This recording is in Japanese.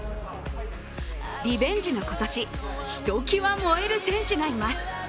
リベンジの今年、ひときわ燃える選手がいます。